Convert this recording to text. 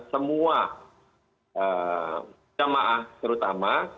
semua samaah terutama